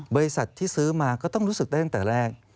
บริษัทที่ซื้อมาก็ต้องรู้สึกได้ตั้งแต่แรก